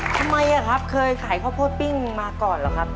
ทำไมครับเคยขายข้าวโพดปิ้งมาก่อนเหรอครับ